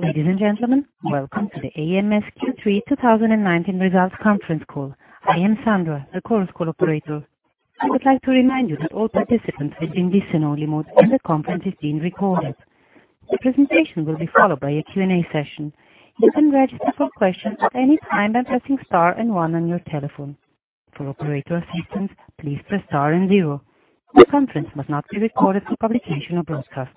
Ladies and gentlemen, welcome to the ams Q3 2019 Results Conference Call. I am Sandra, the conference call operator. I would like to remind you that all participants are in listen-only mode, and the conference is being recorded. The presentation will be followed by a Q&A session. You can register for questions at any time by pressing star and one on your telephone. For operator assistance, please press star and zero. The conference must not be recorded for publication or broadcast.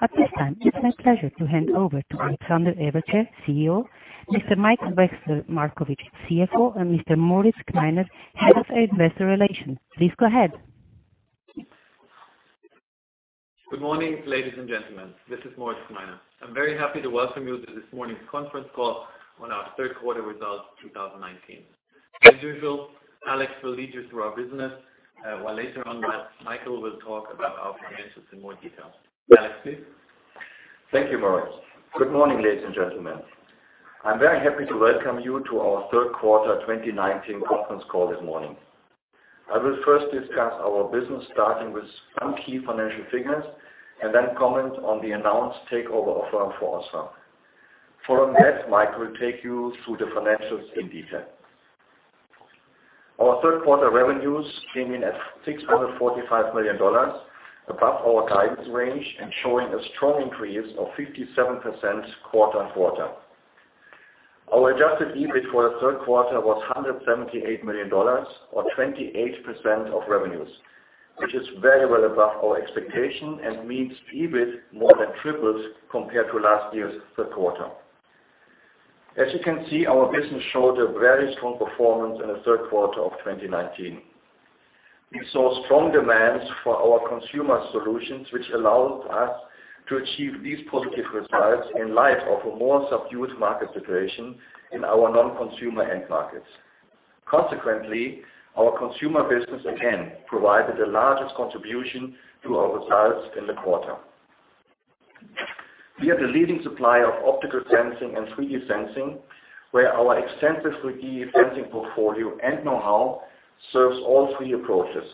At this time, it's my pleasure to hand over to Alexander Everke, CEO, Mr. Michael Wachsler-Markowitsch, CFO, and Mr. Moritz Gmeiner, Head of Investor Relations. Please go ahead. Good morning, ladies and gentlemen. This is Moritz Gmeiner. I am very happy to welcome you to this morning's conference call on our third quarter results 2019. As usual, Alex will lead you through our business, while later on, Michael will talk about our financials in more detail. Alex, please. Thank you, Moritz. Good morning, ladies and gentlemen. I'm very happy to welcome you to our third quarter 2019 conference call this morning. I will first discuss our business, starting with some key financial figures, and then comment on the announced takeover offer for OSRAM. Following that, Mike will take you through the financials in detail. Our third quarter revenues came in at $645 million, above our guidance range and showing a strong increase of 57% quarter on quarter. Our adjusted EBIT for the third quarter was $178 million or 28% of revenues, which is very well above our expectation and means EBIT more than tripled compared to last year's third quarter. As you can see, our business showed a very strong performance in the third quarter of 2019. We saw strong demands for our consumer solutions, which allowed us to achieve these positive results in light of a more subdued market situation in our non-consumer end markets. Consequently, our consumer business again provided the largest contribution to our results in the quarter. We are the leading supplier of optical sensing and 3D sensing, where our extensive 3D sensing portfolio and know-how serves all 3D approaches,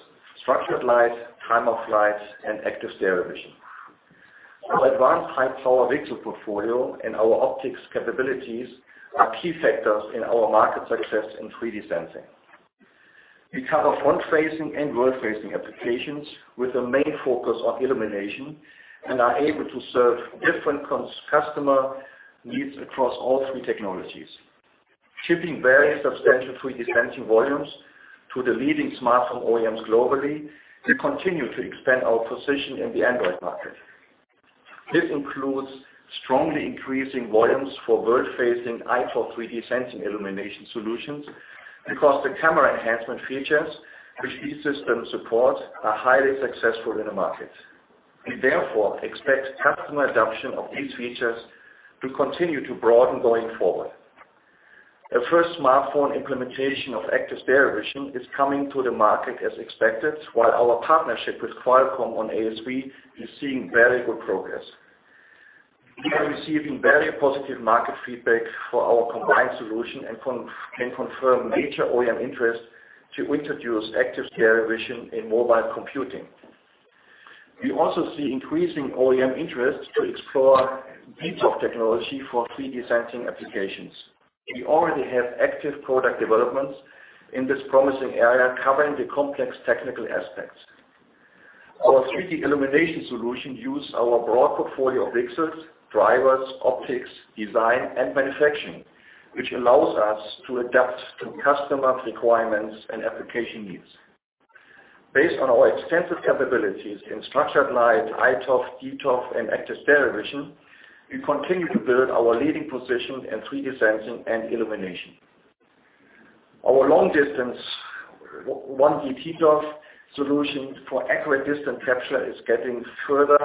structured light, time-of-flight, and active stereo vision. Our advanced high-power VCSEL portfolio and our optics capabilities are key factors in our market success in 3D sensing. We cover front-facing and world-facing applications with a main focus on illumination and are able to serve different customer needs across all three technologies. Shipping very substantial 3D sensing volumes to the leading smartphone OEMs globally, we continue to expand our position in the Android market. This includes strongly increasing volumes for world-facing iToF 3D sensing illumination solutions because the camera enhancement features which these systems support are highly successful in the market. We therefore expect customer adoption of these features to continue to broaden going forward. Our first smartphone implementation of active stereo vision is coming to the market as expected, while our partnership with Qualcomm on ASV is seeing very good progress. We are receiving very positive market feedback for our combined solution and can confirm major OEM interest to introduce active stereo vision in mobile computing. We also see increasing OEM interest to explore ToF technology for 3D sensing applications. We already have active product developments in this promising area, covering the complex technical aspects. Our 3D illumination solution use our broad portfolio of VCSELs, drivers, optics, design, and manufacturing, which allows us to adapt to customers' requirements and application needs. Based on our extensive capabilities in structured light, iToF, dToF, and active stereo vision, we continue to build our leading position in 3D sensing and illumination. Our long-distance 1D ToF solution for accurate distance capture is getting further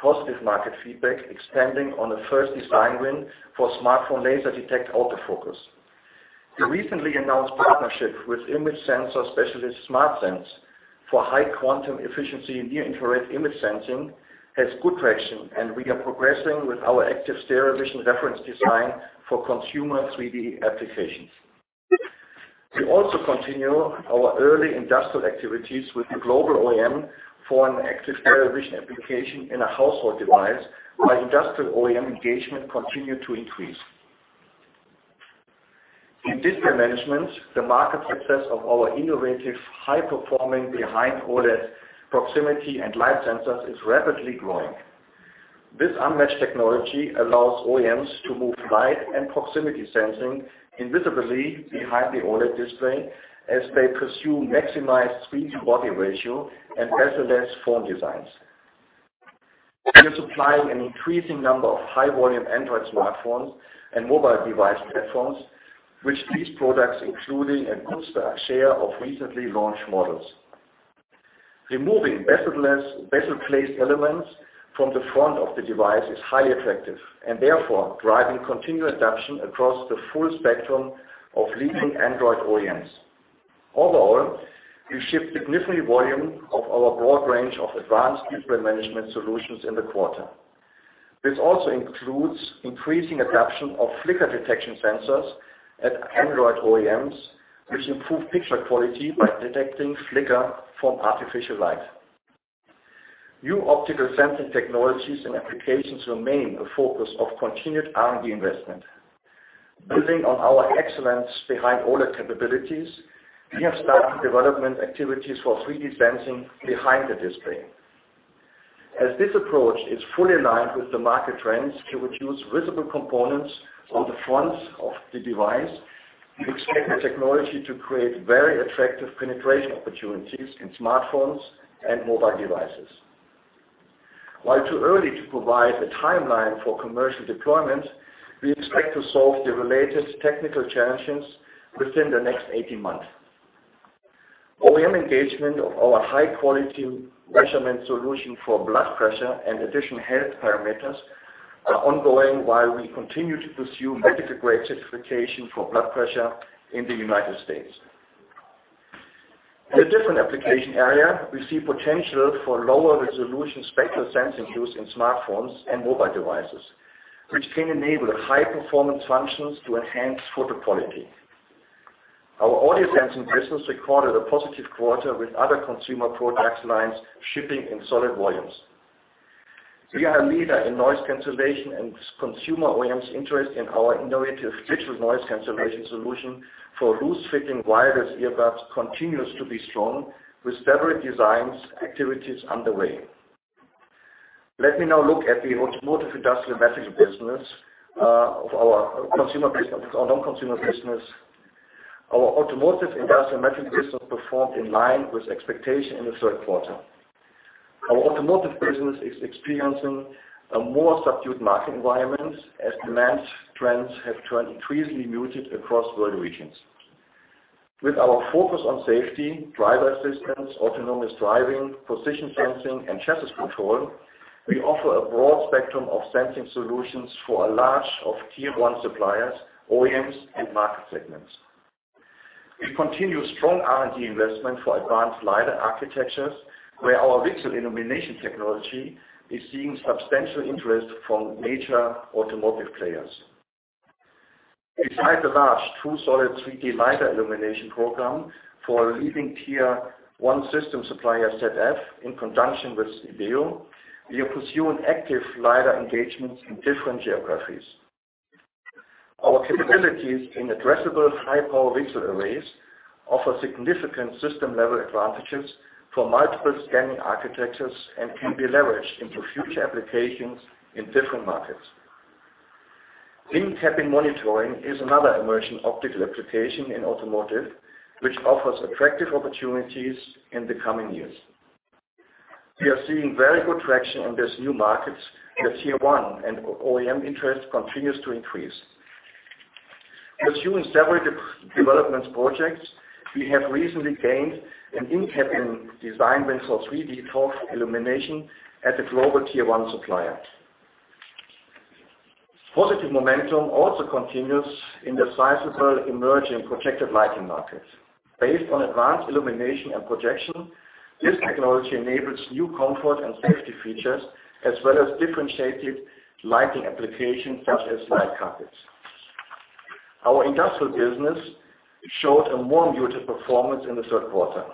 positive market feedback, expanding on the first design win for smartphone laser-detect autofocus. The recently announced partnership with image sensor specialist SmartSens for high quantum efficiency near-infrared image sensing has good traction, and we are progressing with our active stereo vision reference design for consumer 3D applications. We also continue our early industrial activities with a global OEM for an active stereo vision application in a household device, while industrial OEM engagement continue to increase. In display management, the market success of our innovative, high-performing behind-OLED proximity and light sensors is rapidly growing. This unmatched technology allows OEMs to move light and proximity sensing invisibly behind the OLED display as they pursue maximized screen-to-body ratio and bezel-less phone designs. We are supplying an increasing number of high-volume Android smartphones and mobile device platforms, with these products including a good share of recently launched models. Removing bezel-less elements from the front of the device is highly effective and therefore driving continued adoption across the full spectrum of leading Android OEMs. Overall, we shipped significant volume of our broad range of advanced display management solutions in the quarter. This also includes increasing adoption of flicker detection sensors at Android OEMs, which improve picture quality by detecting flicker from artificial light. New optical sensing technologies and applications remain a focus of continued R&D investment. Building on our excellence behind all the capabilities, we have started development activities for 3D sensing behind the display. As this approach is fully aligned with the market trends to reduce visible components on the front of the device, we expect the technology to create very attractive penetration opportunities in smartphones and mobile devices. While too early to provide a timeline for commercial deployment, we expect to solve the related technical challenges within the next 18 months. OEM engagement of our high-quality measurement solution for blood pressure and additional health parameters are ongoing while we continue to pursue medical-grade certification for blood pressure in the United States. In a different application area, we see potential for lower-resolution spectral sensing used in smartphones and mobile devices, which can enable high-performance functions to enhance photo quality. Our audio sensing business recorded a positive quarter with other consumer products lines shipping in solid volumes. We are a leader in noise cancellation and consumer OEMs interest in our innovative digital noise cancellation solution for loose-fitting wireless earbuds continues to be strong with separate designs activities underway. Let me now look at the automotive industrial metrics business of our non-consumer business. Our automotive industrial metrics business performed in line with expectation in the third quarter. Our automotive business is experiencing a more subdued market environment as demand trends have turned increasingly muted across world regions. With our focus on safety, driver assistance, autonomous driving, position sensing, and chassis control, we offer a broad spectrum of sensing solutions for a large of Tier 1 suppliers, OEMs, and market segments. We continue strong R&D investment for advanced lidar architectures, where our VCSEL illumination technology is seeing substantial interest from major automotive players. Besides the large, true solid 3D lidar illumination program for a leading Tier 1 system supplier, ZF, in conjunction with Valeo, we are pursuing active lidar engagements in different geographies. Our capabilities in addressable high-power VCSEL arrays offer significant system-level advantages for multiple scanning architectures and can be leveraged into future applications in different markets. In-cabin monitoring is another emerging optical application in automotive, which offers attractive opportunities in the coming years. We are seeing very good traction in these new markets where Tier 1 and OEM interest continues to increase. Pursuing several development projects, we have recently gained an in-cabin design win for 3D ToF illumination at a global Tier 1 supplier. Positive momentum also continues in the sizable emerging projected lighting market. Based on advanced illumination and projection, this technology enables new comfort and safety features as well as differentiated lighting applications such as light carpets. Our industrial business showed a more muted performance in the third quarter,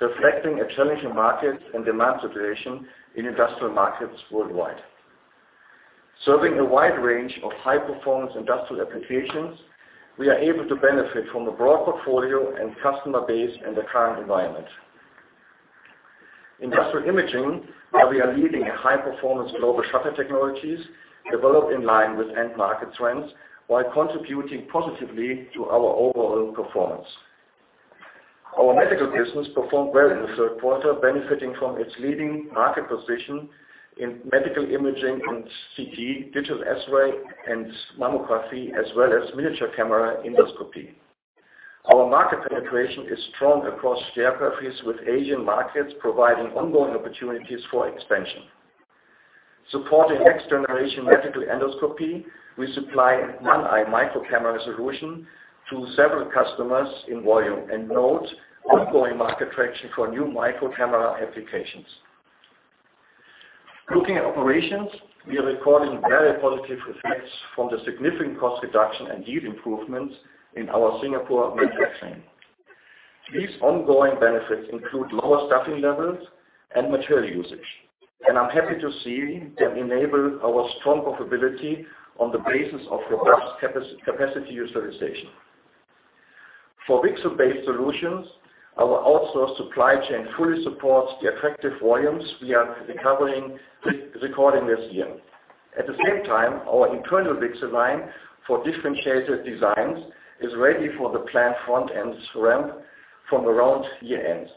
reflecting a challenging market and demand situation in industrial markets worldwide. Serving a wide range of high-performance industrial applications, we are able to benefit from a broad portfolio and customer base in the current environment. Industrial imaging, where we are leading high-performance global shutter technologies, developed in line with end market trends while contributing positively to our overall performance. Our medical business performed well in the third quarter, benefiting from its leading market position in medical imaging and CT, digital X-ray, and mammography, as well as miniature camera endoscopy. Our market penetration is strong across geographies, with Asian markets providing ongoing opportunities for expansion. Supporting next-generation medical endoscopy, we supply NanEye micro-camera solution to several customers in volume and note ongoing market traction for new micro-camera applications. Looking at operations, we are recording very positive effects from the significant cost reduction and yield improvements in our Singapore manufacturing. These ongoing benefits include lower staffing levels and material usage, and I'm happy to see that enable our strong profitability on the basis of robust capacity utilization. For VCSEL-based solutions, our outsourced supply chain fully supports the effective volumes we are recording this year. At the same time, our internal VCSEL line for differentiated designs is ready for the planned front end ramp from around year-end.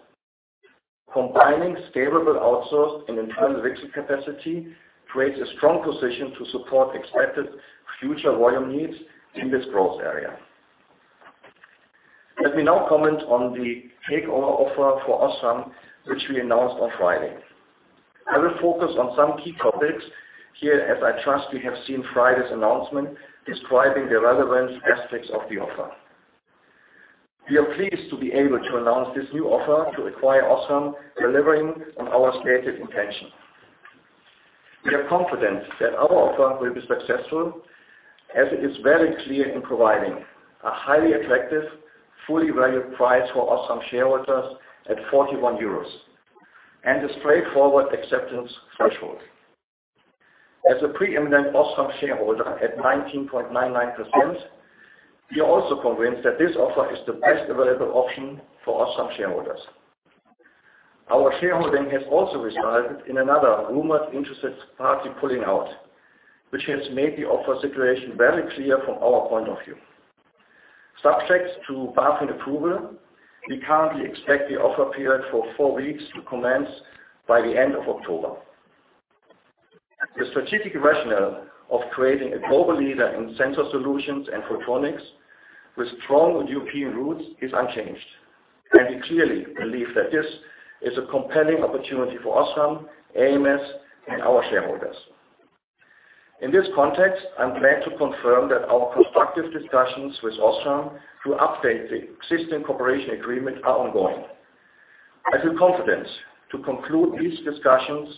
Combining scalable outsourced and internal VCSEL capacity creates a strong position to support expected future volume needs in this growth area. Let me now comment on the takeover offer for OSRAM, which we announced on Friday. I will focus on some key topics here, as I trust you have seen Friday's announcement describing the relevant aspects of the offer. We are pleased to be able to announce this new offer to acquire OSRAM, delivering on our stated intention. We are confident that our offer will be successful, as it is very clear in providing a highly attractive, fully valued price for OSRAM shareholders at 41 euros and a straightforward acceptance threshold. As a pre-eminent OSRAM shareholder at 19.99%, we are also convinced that this offer is the best available option for OSRAM shareholders. Our shareholding has also resulted in another rumored interested party pulling out, which has made the offer situation very clear from our point of view. Subject to BaFin approval, we currently expect the offer period for four weeks to commence by the end of October. The strategic rationale of creating a global leader in sensor solutions and photonics with strong European roots is unchanged. We clearly believe that this is a compelling opportunity for OSRAM, ams, and our shareholders. In this context, I am glad to confirm that our constructive discussions with OSRAM to update the existing cooperation agreement are ongoing. I feel confident to conclude these discussions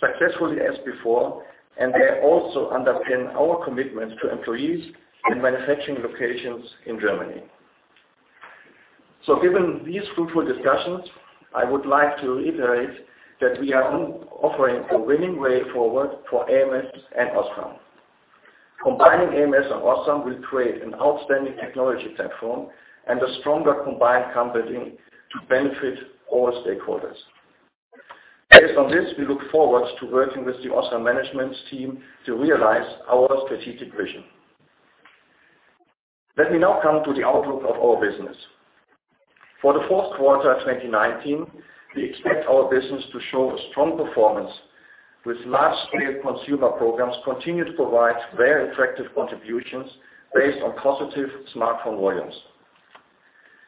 successfully as before. They also underpin our commitment to employees and manufacturing locations in Germany. Given these fruitful discussions, I would like to reiterate that we are offering a winning way forward for ams and OSRAM. Combining ams and OSRAM will create an outstanding technology platform and a stronger combined company to benefit all stakeholders. Based on this, we look forward to working with the OSRAM management team to realize our strategic vision. Let me now come to the outlook of our business. For the fourth quarter 2019, we expect our business to show a strong performance, with large-scale consumer programs continue to provide very attractive contributions based on positive smartphone volumes.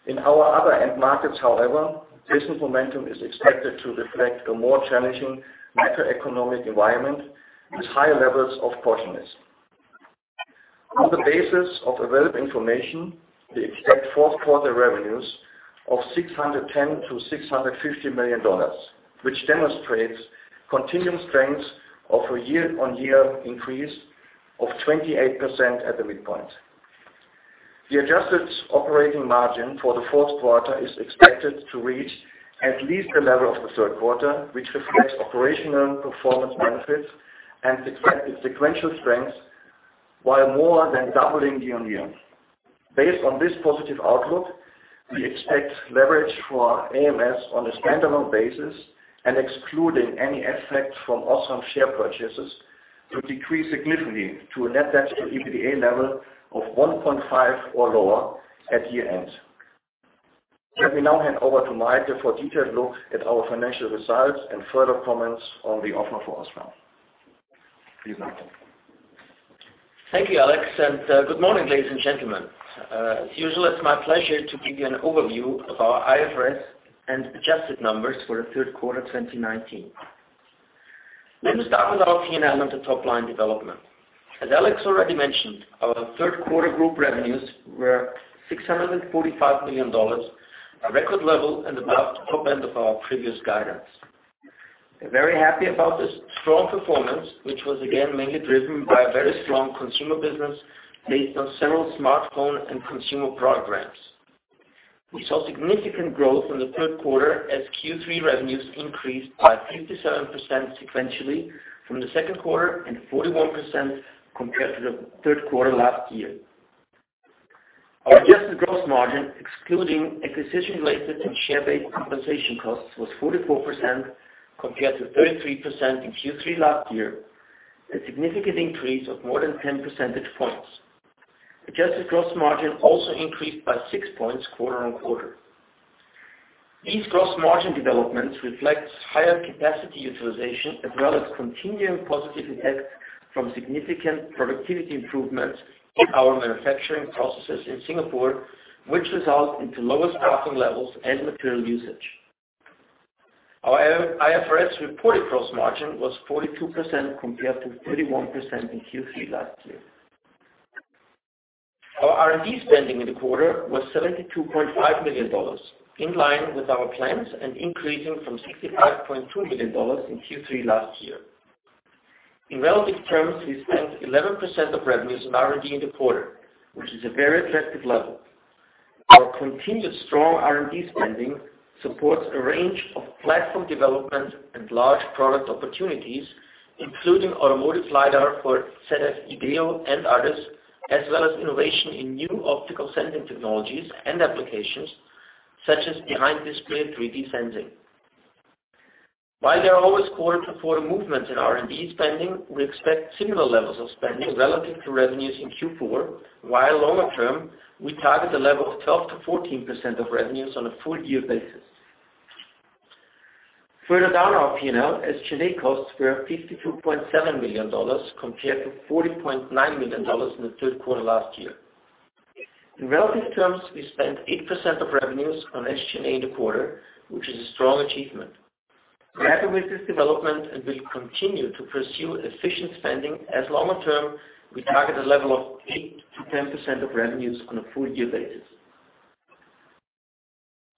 In our other end markets, however, business momentum is expected to reflect a more challenging macroeconomic environment with higher levels of cautiousness. On the basis of available information, we expect fourth quarter revenues of $610 million-$650 million, which demonstrates continuing strength of a year-on-year increase of 28% at the midpoint. The adjusted operating margin for the fourth quarter is expected to reach at least the level of the third quarter, which reflects operational performance benefits and sequential strength, while more than doubling year-on-year. Based on this positive outlook, we expect leverage for ams on a standalone basis and excluding any effect from OSRAM share purchases to decrease significantly to a net debt to EBITDA level of 1.5 or lower at year-end. Let me now hand over to Mike for a detailed look at our financial results and further comments on the offer for OSRAM. Please, Mike. Thank you, Alex, and good morning, ladies and gentlemen. As usual, it is my pleasure to give you an overview of our IFRS and adjusted numbers for the third quarter 2019. Let me start with our P&L and the top-line development. As Alex already mentioned, our third quarter group revenues were $645 million, a record level, and above the top end of our previous guidance. We are very happy about this strong performance, which was again mainly driven by a very strong consumer business based on several smartphone and consumer programs. We saw significant growth in the third quarter as Q3 revenues increased by 57% sequentially from the second quarter and 41% compared to the third quarter last year. Our adjusted gross margin, excluding acquisition-related and share-based compensation costs, was 44% compared to 33% in Q3 last year, a significant increase of more than 10 percentage points. Adjusted gross margin also increased by six points quarter-on-quarter. These gross margin developments reflect higher capacity utilization as well as continuing positive effects from significant productivity improvements in our manufacturing processes in Singapore, which result into lower staffing levels and material usage. Our IFRS-reported gross margin was 42% compared to 31% in Q3 last year. Our R&D spending in the quarter was $72.5 million, in line with our plans and increasing from $65.2 million in Q3 last year. In relative terms, we spent 11% of revenues on R&D in the quarter, which is a very attractive level. Our continued strong R&D spending supports a range of platform development and large product opportunities, including automotive lidar for ZF, Ibeo and others, as well as innovation in new optical sensing technologies and applications, such as behind-OLED 3D sensing. While there are always quarter-to-quarter movements in R&D spending, we expect similar levels of spending relative to revenues in Q4, while longer term, we target a level of 12%-14% of revenues on a full-year basis. Further down our P&L, SG&A costs were $52.7 million, compared to $40.9 million in the third quarter last year. In relative terms, we spent 8% of revenues on SG&A in the quarter, which is a strong achievement. We're happy with this development and will continue to pursue efficient spending as longer term, we target a level of 8%-10% of revenues on a full-year basis.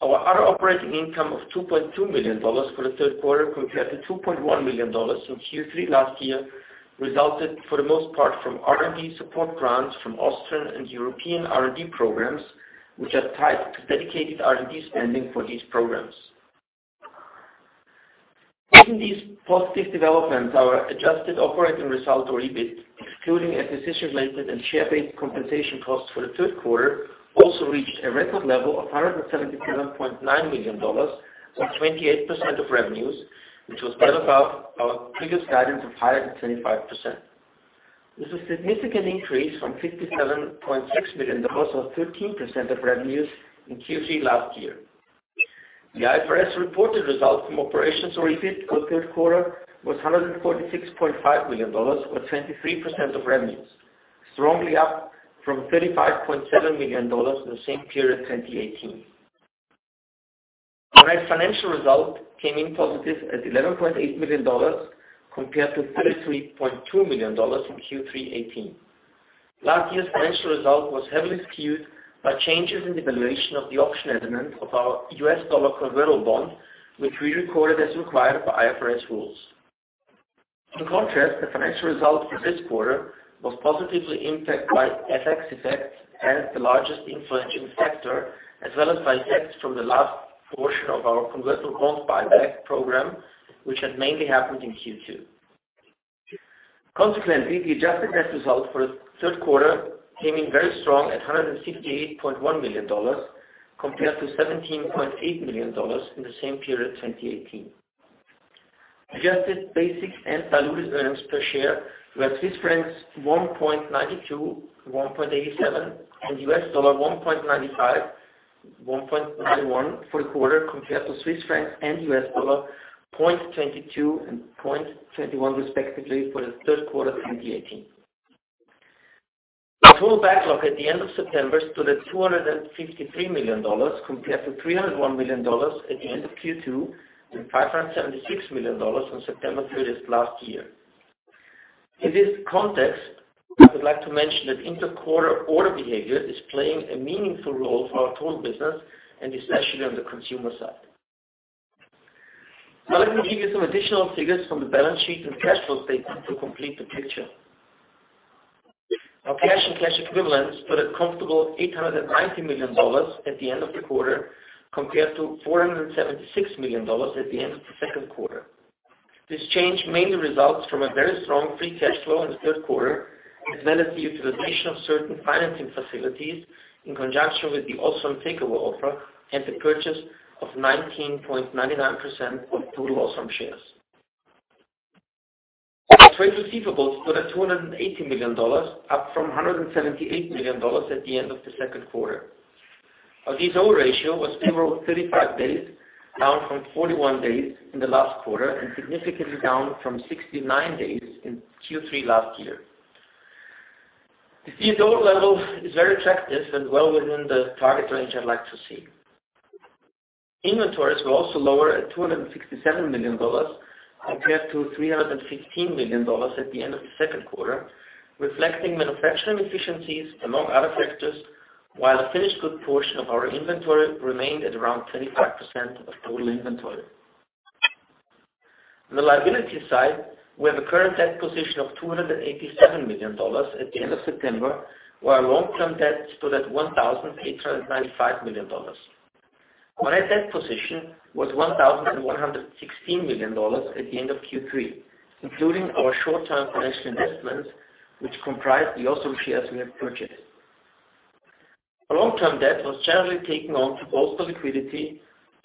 Our other operating income of $2.2 million for the third quarter compared to $2.1 million from Q3 last year resulted for the most part from R&D support grants from Austrian and European R&D programs, which are tied to dedicated R&D spending for these programs. Given these positive developments, our adjusted operating result or EBIT, excluding acquisition related and share-based compensation costs for the third quarter also reached a record level of $177.9 million or 28% of revenues, which was well above our previous guidance of higher than 25%. This is a significant increase from $57.6 million or 13% of revenues in Q3 last year. The IFRS reported results from operations or EBIT for the third quarter was $146.5 million or 23% of revenues, strongly up from $35.7 million in the same period, 2018. Our financial result came in positive at $11.8 million compared to $33.2 million in Q3 2018. Last year's financial result was heavily skewed by changes in the valuation of the option element of our US dollar convertible bond, which we recorded as required by IFRS rules. The financial result for this quarter was positively impacted by FX effects as the largest influencing factor, as well as by effects from the last portion of our convertible bond buyback program, which had mainly happened in Q2. The adjusted net result for the third quarter came in very strong at $168.1 million compared to $17.8 million in the same period 2018. Adjusted basic and diluted earnings per share were Swiss francs 1.92, 1.87 and $1.95, $1.91 for the quarter compared to CHF 0.22 and $0.21 respectively for the third quarter 2018. Our total backlog at the end of September stood at $253 million compared to $301 million at the end of Q2 and $576 million on September 30th last year. In this context, I would like to mention that interquarter order behavior is playing a meaningful role for our total business and especially on the consumer side. Let me give you some additional figures from the balance sheet and cash flow statement to complete the picture. Our cash and cash equivalents stood at comfortable $890 million at the end of the quarter compared to $476 million at the end of the second quarter. This change mainly results from a very strong free cash flow in the third quarter as well as the utilization of certain financing facilities in conjunction with the OSRAM takeover offer and the purchase of 19.99% of total OSRAM shares. Our trade receivables stood at $280 million, up from $178 million at the end of the second quarter. Our days sales outstanding ratio was 35 days, down from 41 days in the last quarter and significantly down from 69 days in Q3 last year. This days sales outstanding level is very attractive and well within the target range I'd like to see. Inventories were also lower at $267 million compared to $315 million at the end of the second quarter, reflecting manufacturing efficiencies among other factors, while the finished goods portion of our inventory remained at around 25% of total inventory. On the liability side, we have a current debt position of $287 million at the end of September, while our long-term debt stood at $1,895 million. Our net debt position was $1,116 million at the end of Q3, including our short-term financial investments, which comprise the OSRAM shares we have purchased. Our long-term debt was generally taken on to bolster liquidity,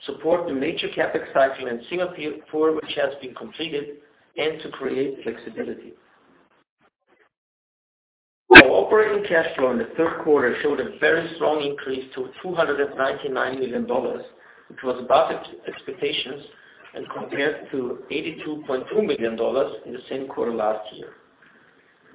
support the major CapEx cycle in Singapore, which has been completed, and to create flexibility. Our operating cash flow in the third quarter showed a very strong increase to $299 million, which was above expectations and compared to $82.2 million in the same quarter last year.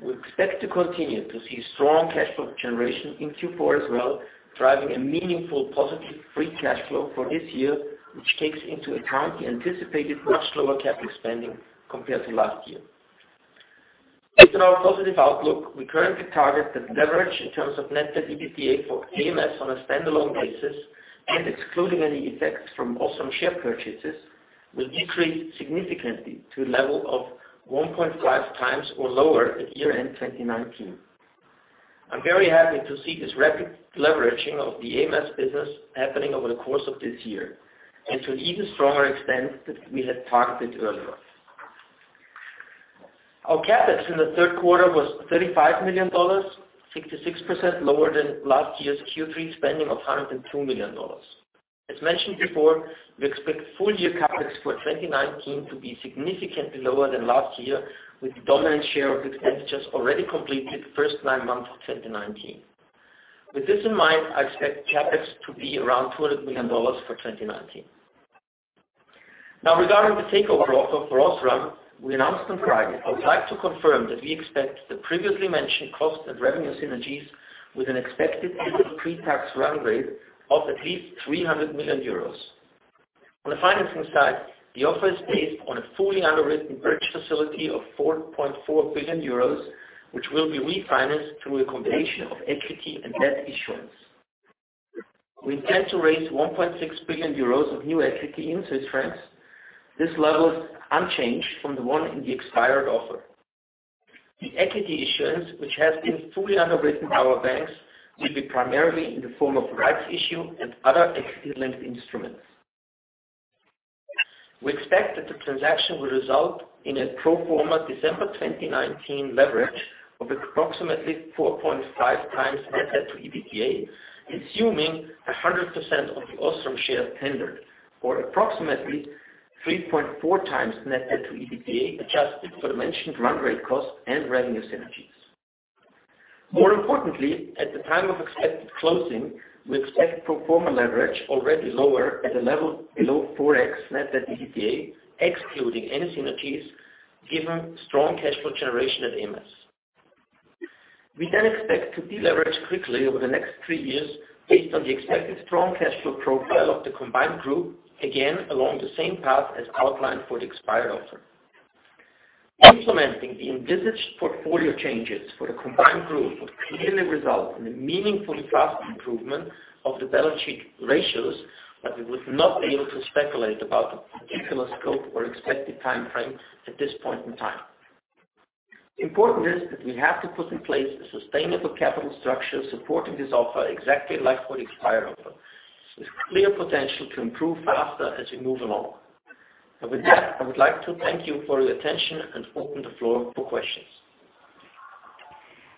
We expect to continue to see strong cash flow generation in Q4 as well, driving a meaningful positive free cash flow for this year, which takes into account the anticipated much lower CapEx spending compared to last year. Based on our positive outlook, we currently target that leverage in terms of net debt EBITDA for ams on a standalone basis and excluding any effects from OSRAM share purchases, will decrease significantly to a level of 1.5 times or lower at year-end 2019. I'm very happy to see this rapid leveraging of the ams business happening over the course of this year and to an even stronger extent that we had targeted earlier. Our CapEx in the third quarter was $35 million, 66% lower than last year's Q3 spending of $102 million. As mentioned before, we expect full year CapEx for 2019 to be significantly lower than last year, with the dominant share of these expenditures already completed in the first nine months of 2019. With this in mind, I expect CapEx to be around $200 million for 2019. Now, regarding the takeover offer for OSRAM we announced on Friday, I would like to confirm that we expect the previously mentioned cost and revenue synergies with an expected annual pre-tax run rate of at least 300 million euros. On the financing side, the offer is based on a fully underwritten bridge facility of 4.4 billion euros, which will be refinanced through a combination of equity and debt issuance. We intend to raise 1.6 billion euros of new equity in Swiss francs. This level is unchanged from the one in the expired offer. The equity issuance, which has been fully underwritten by our banks, will be primarily in the form of rights issue and other equity-linked instruments. We expect that the transaction will result in a pro forma December 2019 leverage of approximately 4.5x net debt to EBITDA, assuming 100% of the OSRAM shares tendered for approximately 3.4x net debt to EBITDA, adjusted for the mentioned run rate cost and revenue synergies. More importantly, at the time of expected closing, we expect pro forma leverage already lower at a level below 4x net debt to EBITDA, excluding any synergies, given strong cash flow generation at ams. We expect to deleverage quickly over the next three years based on the expected strong cash flow profile of the combined group, again along the same path as outlined for the expired offer. Implementing the envisaged portfolio changes for the combined group would clearly result in a meaningful and fast improvement of the balance sheet ratios, but we would not be able to speculate about the particular scope or expected time frame at this point in time. Important is that we have to put in place a sustainable capital structure supporting this offer exactly like for the expired offer, with clear potential to improve faster as we move along. With that, I would like to thank you for your attention and open the floor for questions.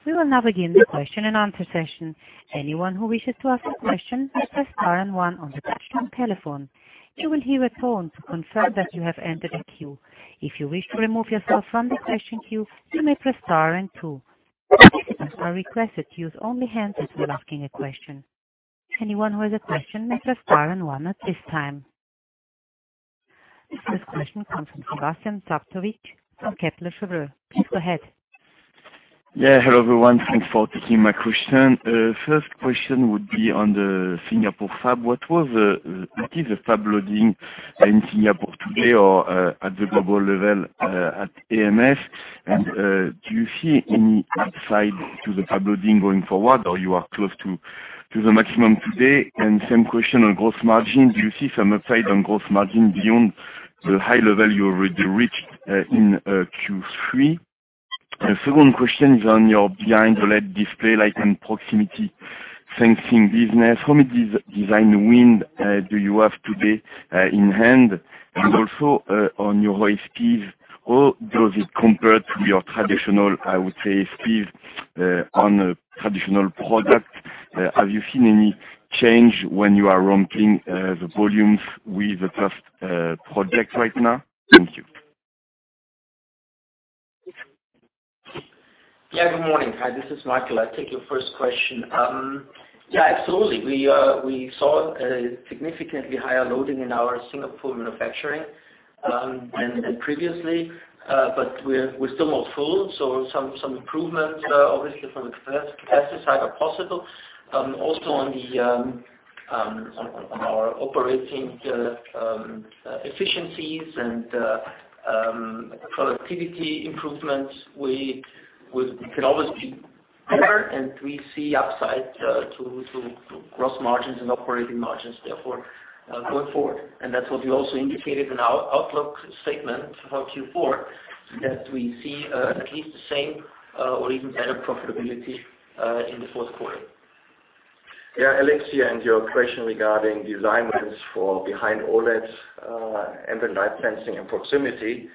We will now begin the question and answer session. Anyone who wishes to ask a question, press star and one on the touchtone telephone. You will hear a tone to confirm that you have entered a queue. If you wish to remove yourself from the question queue, you may press star and two. Participants are requested to use only hands up when asking a question. Anyone who has a question may press star and one at this time. The first question comes from Sebastien Sztabowicz from Kepler Cheuvreux. Please go ahead. Yeah. Hello, everyone. Thanks for taking my question. First question would be on the Singapore fab. What is the fab loading in Singapore today or at the global level at ams? Do you see any upside to the fab loading going forward, or you are close to the maximum today? Same question on gross margin. Do you see some upside on gross margin beyond the high level you already reached in Q3? Second question is on your behind-OLED display light and proximity sensing business. How many design wins do you have today in hand? Also, on your high ASPs, how does it compare to your traditional, I would say, ASP on a traditional product? Have you seen any change when you are ramping the volumes with the first project right now? Thank you. Good morning. Hi, this is Michael. I'll take your first question. Absolutely. We saw a significantly higher loading in our Singapore manufacturing than previously, but we're still not full, so some improvements obviously from the capacity side are possible. Also on our operating efficiencies and productivity improvements, we could always be better, and we see upside to gross margins and operating margins, therefore, going forward. That's what we also indicated in our outlook statement for Q4, that we see at least the same or even better profitability in the fourth quarter. Alex here, your question regarding design wins for behind-OLED ambient light sensing and proximity.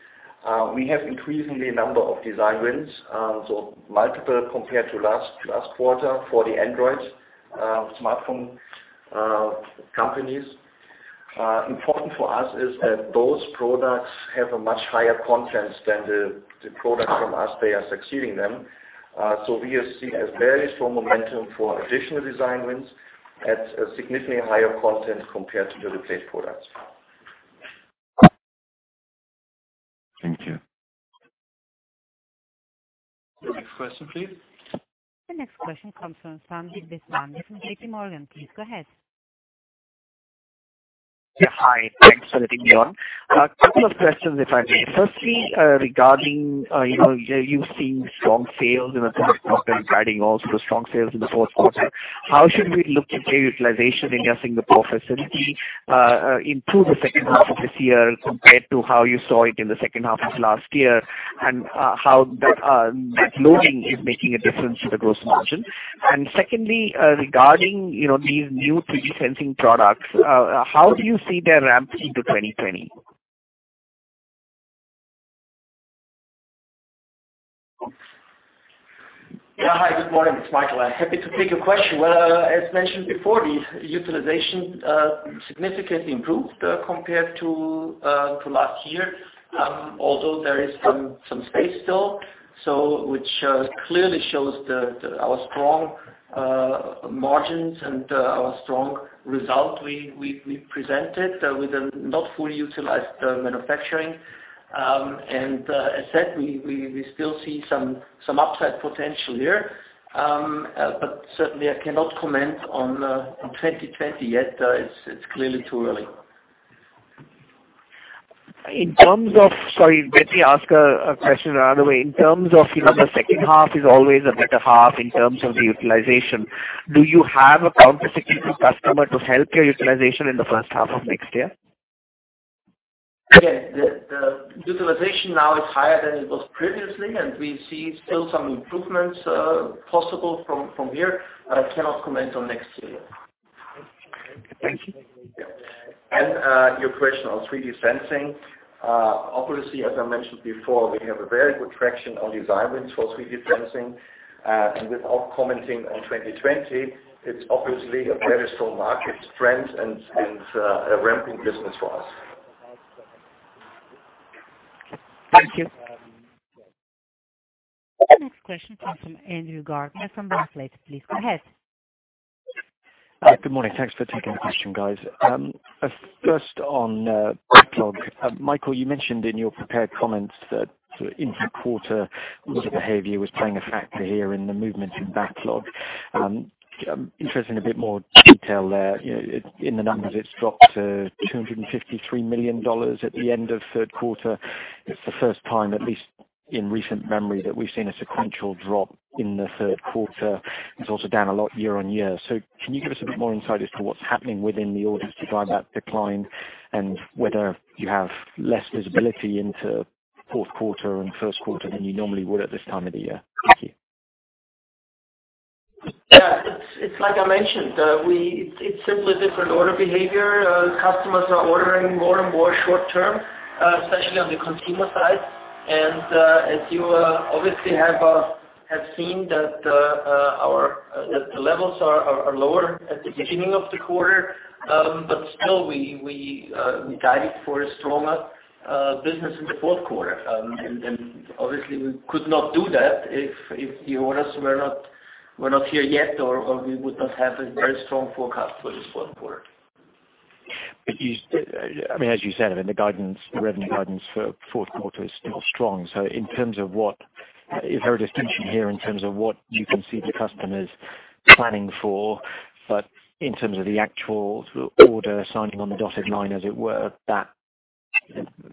We have increasingly a number of design wins, so multiple compared to last quarter for the Android smartphone companies. Important for us is that those products have a much higher content than the product from us they are succeeding them. We see a very strong momentum for additional design wins at a significantly higher content compared to the replaced products. Thank you. Next question, please. The next question comes from Sandeep Deshpande from J.P. Morgan. Please go ahead. Yeah. Hi. Thanks for letting me on. A couple of questions, if I may. You've seen strong sales in the third quarter guiding also strong sales in the fourth quarter, how should we look at your utilization in your Singapore facility into the second half of this year compared to how you saw it in the second half of last year, and how that loading is making a difference to the gross margin? Secondly, regarding these new 3D sensing products, how do you see their ramp into 2020? Hi, good morning. It's Michael. I'm happy to take your question. As mentioned before, the utilization significantly improved compared to last year, although there is some space still, which clearly shows our strong margins and our strong result we presented with a not fully utilized manufacturing. As said, we still see some upside potential here. Certainly, I cannot comment on 2020 yet. It's clearly too early. Sorry, let me ask a question another way. In terms of the second half is always a better half in terms of the utilization. Do you have a countercyclical customer to help your utilization in the first half of next year? The utilization now is higher than it was previously, and we see still some improvements possible from here, but I cannot comment on next year. Thank you. Your question on 3D sensing. Obviously, as I mentioned before, we have a very good traction on design wins for 3D sensing. Without commenting on 2020, it's obviously a very strong market trend and a ramping business for us. Thank you. The next question comes from Andrew Gardiner from Barclays. Please go ahead. Good morning. Thanks for taking the question, guys. First on backlog. Michael, you mentioned in your prepared comments that inter-quarter order behavior was playing a factor here in the movement in backlog. In the numbers, it's dropped to $253 million at the end of third quarter. It's the first time, at least in recent memory, that we've seen a sequential drop in the third quarter. It's also down a lot year-on-year. Can you give us a bit more insight as to what's happening within the orders to drive that decline and whether you have less visibility into fourth quarter and first quarter than you normally would at this time of the year? Thank you. Yeah. It's like I mentioned, it's simply different order behavior. Customers are ordering more and more short term, especially on the consumer side. As you obviously have seen that the levels are lower at the beginning of the quarter. Still we guided for a stronger business in the fourth quarter. Obviously we could not do that if the orders were not here yet, or we would not have a very strong forecast for this fourth quarter. As you said, I mean, the revenue guidance for fourth quarter is still strong. In terms of what, I heard a distinction here in terms of what you can see the customers planning for, but in terms of the actual order signing on the dotted line, as it were, that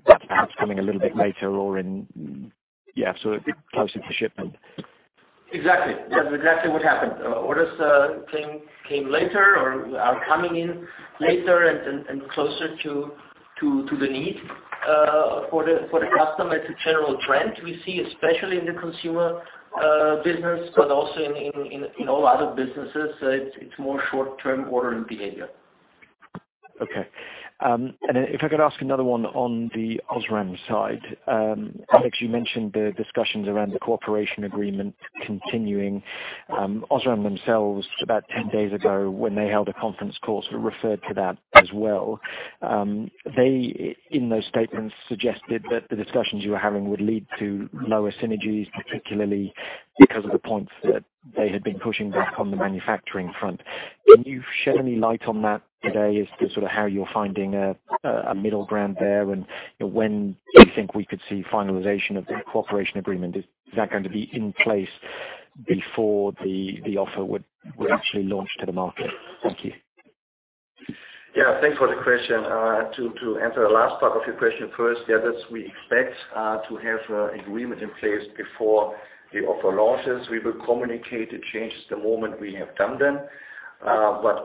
perhaps coming a little bit later or in, yeah, sort of closer to shipment. Exactly. That's exactly what happened. Orders came later or are coming in later and closer to the need for the customer. It's a general trend we see, especially in the consumer business, but also in all other businesses. It's more short-term ordering behavior. Okay. If I could ask another one on the OSRAM side. Alex, you mentioned the discussions around the cooperation agreement continuing. OSRAM themselves, about 10 days ago, when they held a conference call, sort of referred to that as well. They, in those statements, suggested that the discussions you were having would lead to lower synergies, particularly because of the points that they had been pushing back on the manufacturing front. Can you shed any light on that today as to sort of how you're finding a middle ground there and when you think we could see finalization of the cooperation agreement? Is that going to be in place before the offer would actually launch to the market? Thank you. Yeah, thanks for the question. To answer the last part of your question first. Yes, we expect to have an agreement in place before the offer launches. We will communicate the changes the moment we have done them.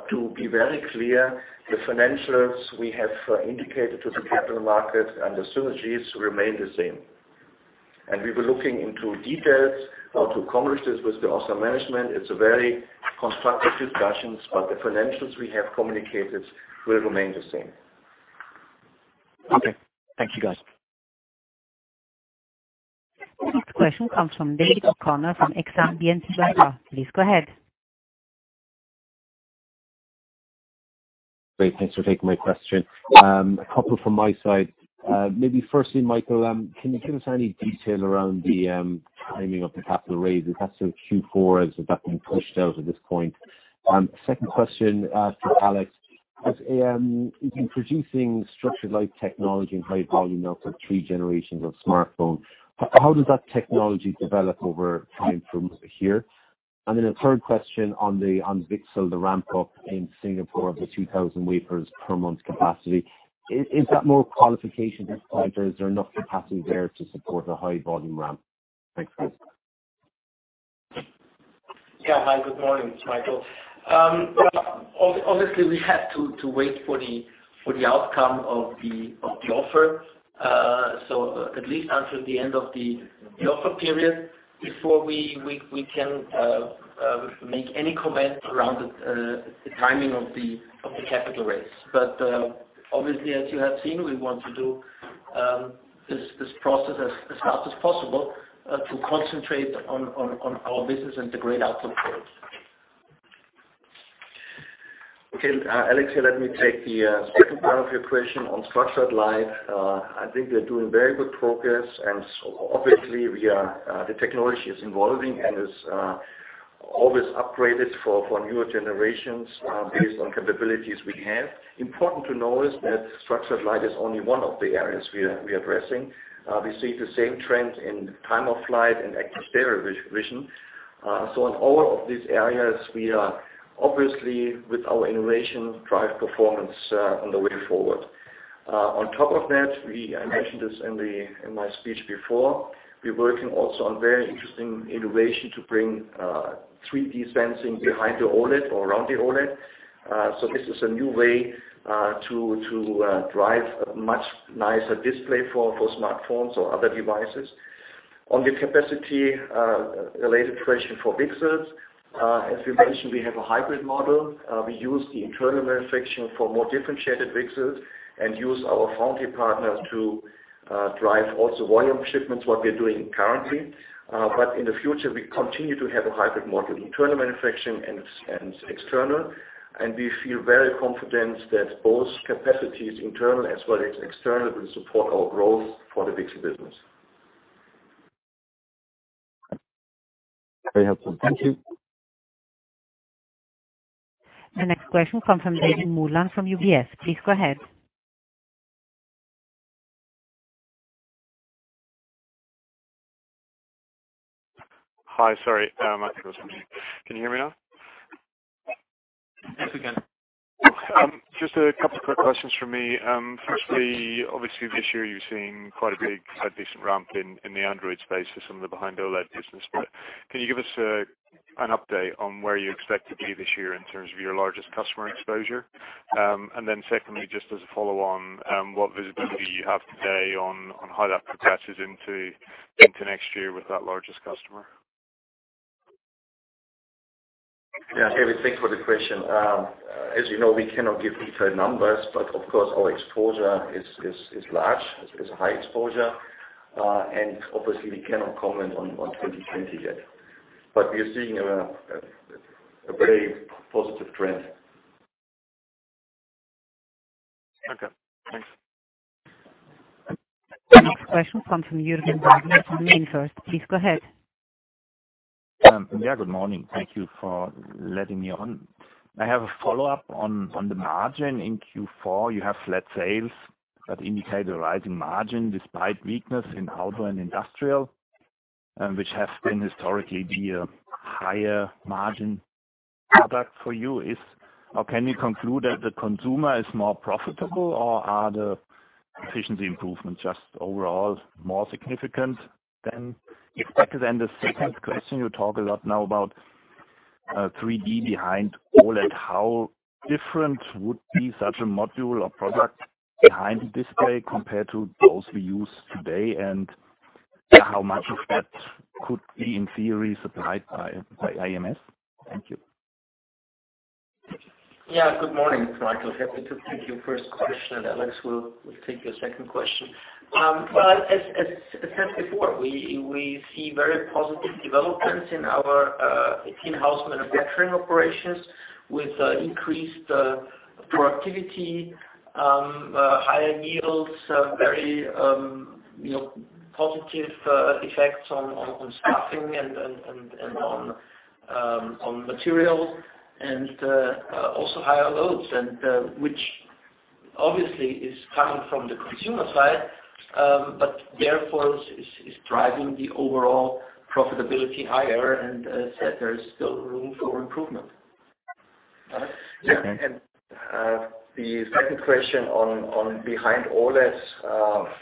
To be very clear, the financials we have indicated to the capital market and the synergies remain the same. We were looking into details how to accomplish this with the OSRAM management. It's a very constructive discussions, but the financials we have communicated will remain the same. Okay. Thank you, guys. Next question comes from David O'Connor from Exane BNP Paribas. Please go ahead. Great. Thanks for taking my question. A couple from my side. Maybe firstly, Michael, can you give us any detail around the timing of the capital raise? Is that sort of Q4? Has that been pushed out at this point? Second question to Alex. As ams, you've been producing structured light technology in high volume now for 3 generations of smartphone. How does that technology develop over time from here? A third question on the VCSEL, the ramp up in Singapore of the 2,000 wafers per month capacity. Is that more qualification as such, or is there enough capacity there to support a high volume ramp? Thanks, guys. Hi, good morning. It's Michael. Obviously, we have to wait for the outcome of the offer. At least until the end of the offer period before we can make any comment around the timing of the capital raise. Obviously, as you have seen, we want to do this process as fast as possible to concentrate on our business and the great outlook for it. Okay. Alex, here, let me take the second part of your question on structured light. I think we are doing very good progress, and obviously the technology is evolving and is Always upgraded for newer generations based on capabilities we have. Important to know is that structured light is only one of the areas we are addressing. We see the same trend in time-of-flight and active stereo vision. In all of these areas, we are obviously with our innovation, drive performance on the way forward. On top of that, I mentioned this in my speech before, we're working also on very interesting innovation to bring 3D sensing behind the OLED or around the OLED. This is a new way to drive a much nicer display for smartphones or other devices. On the capacity-related question for VCSELs, as we mentioned, we have a hybrid model. We use the internal manufacturing for more differentiated VCSELs and use our foundry partner to drive also volume shipments, what we're doing currently. In the future, we continue to have a hybrid model, internal manufacturing and external. We feel very confident that both capacities, internal as well as external, will support our growth for the VCSEL business. Very helpful. Thank you. The next question comes from David Mulholland from UBS. Please go ahead. Hi. Sorry. I thought I was muted. Can you hear me now? Yes, we can. Just a couple of quick questions from me. Firstly, obviously this year you're seeing quite a big, quite decent ramp in the Android space for some of the behind-OLED business. Can you give us an update on where you expect to be this year in terms of your largest customer exposure? Secondly, just as a follow on, what visibility you have today on how that progresses into next year with that largest customer? Yeah, David, thanks for the question. As you know, we cannot give detailed numbers, but of course our exposure is large, is a high exposure. Obviously we cannot comment on 2020 yet. We are seeing a very positive trend. Okay, thanks. The next question comes from Jürgen from the [Linksource]. Please go ahead. Yeah, good morning. Thank you for letting me on. I have a follow-up on the margin in Q4. You have flat sales that indicate a rising margin despite weakness in automotive and industrial, which have been historically the higher margin product for you is. Can we conclude that the consumer is more profitable, or are the efficiency improvements just overall more significant than expected? The second question, you talk a lot now about 3D behind-OLED. How different would be such a module or product behind the display compared to those we use today? How much of that could be, in theory, supplied by ams? Thank you. Yeah. Good morning, Michael. Happy to take your first question, and Alex will take your second question. As said before, we see very positive developments in our in-house manufacturing operations with increased productivity, higher yields, very positive effects on staffing and on material, and also higher loads. Which obviously is coming from the consumer side, but therefore is driving the overall profitability higher and said there is still room for improvement. Alex? The second question on behind-OLED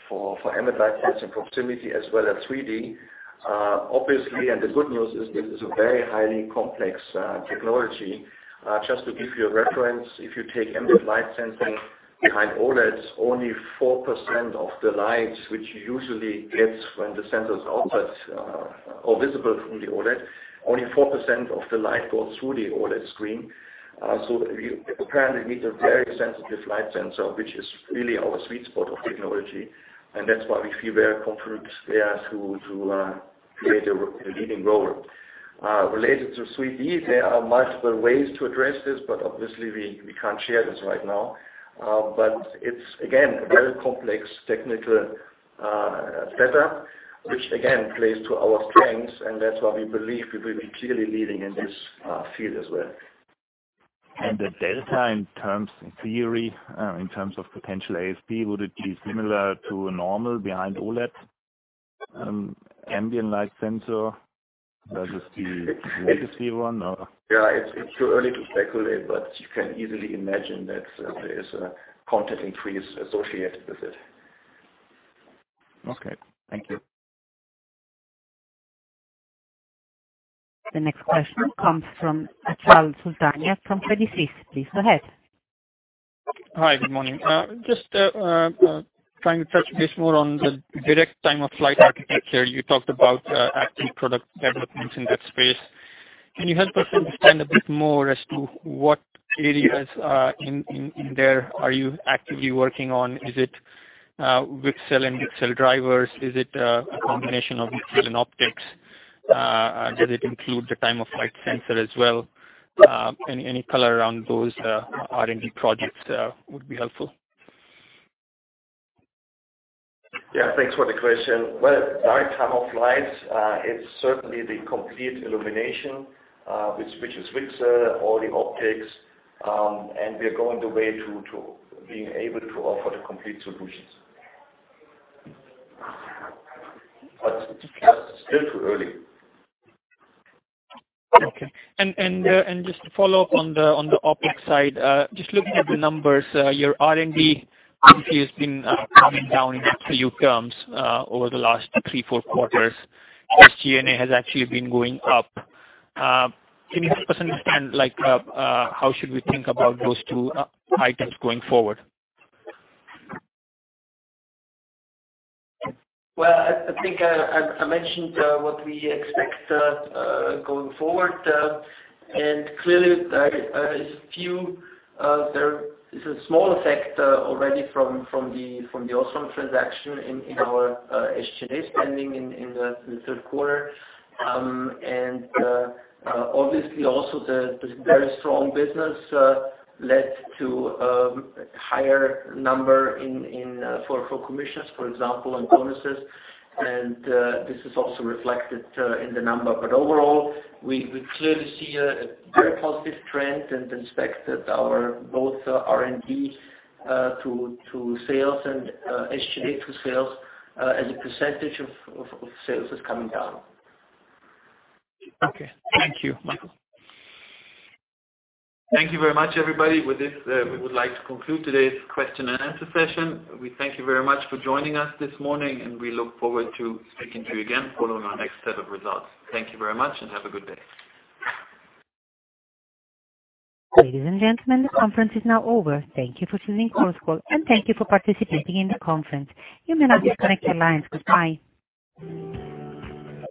for ambient light sensing proximity as well as 3D. Obviously, the good news is it is a very highly complex technology. Just to give you a reference, if you take ambient light sensing behind-OLED, which usually gets when the sensor's off but or visible from the OLED, only 4% of the light goes through the OLED screen. You apparently need a very sensitive light sensor, which is really our sweet spot of technology, and that's why we feel very confident there to create a leading role. Related to 3D, there are multiple ways to address this, but obviously we can't share this right now. It's, again, a very complex technical setup, which again plays to our strengths, and that's why we believe we will be clearly leading in this field as well. The delta in theory, in terms of potential ASP, would it be similar to a normal behind-OLED ambient light sensor versus the legacy one or? It's too early to speculate, but you can easily imagine that there is a content increase associated with it. Okay. Thank you. The next question comes from Achal Sultania from Credit Suisse. Please go ahead. Hi. Good morning. Just trying to touch base more on the direct time-of-flight architecture. You talked about active product developments in that space. Can you help us understand a bit more as to what areas in there are you actively working on? Is it VCSEL and VCSEL drivers? Is it a combination of VCSEL and optics? Does it include the time-of-flight sensor as well? Any color around those R&D projects would be helpful. Yeah, thanks for the question. Well, direct time-of-flights, it's certainly the complete illumination with switches, mixer, all the optics, and we are going the way to being able to offer the complete solutions. It's still too early. Okay. Just to follow up on the optics side, just looking at the numbers, your R&D has been coming down in absolute terms over the last three, four quarters. SG&A has actually been going up. Can you help us understand how should we think about those two items going forward? Well, I think I mentioned what we expect going forward. Clearly, there is a small effect already from the OSRAM transaction in our SG&A spending in the third quarter. Obviously also the very strong business led to a higher number for commissions, for example, and bonuses. This is also reflected in the number. Overall, we clearly see a very positive trend and expect that both R&D to sales and SG&A to sales as a percentage of sales is coming down. Okay. Thank you, Michael. Thank you very much, everybody. With this, we would like to conclude today's question and answer session. We thank you very much for joining us this morning, and we look forward to speaking to you again following our next set of results. Thank you very much and have a good day. Ladies and gentlemen, the conference is now over. Thank you for attending this call and thank you for participating in the conference. You may now disconnect your lines. Goodbye.